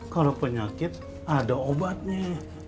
kalau penyakit ada obatnya